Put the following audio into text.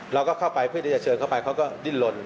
เราก็เข้าไปวิธีจัดเชิญเข้าไปเขาก็ดิ้นหล่น